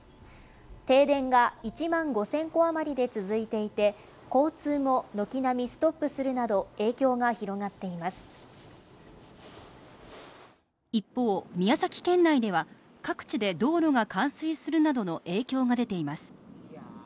停電が１万５０００戸余りで続いていて交通も軒並みストップするなど影響が広がっています一方、宮崎県内では各地で道路が冠水するなどの影響が出ています